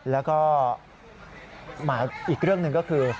แล้วก็อีกเรื่องหนึ่งก็คือ